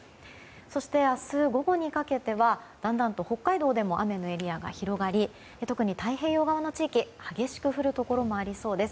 そして、明日午後にかけてはだんだんと北海道でも雨のエリアが広がり特に太平洋側の地域で激しく降るところもありそうです。